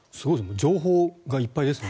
情報がいっぱいですね。